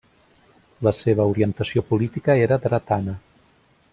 La seva orientació política era dretana.